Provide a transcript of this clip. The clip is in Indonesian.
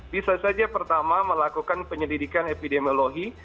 bisa saja pertama melakukan penyelidikan epidemiologi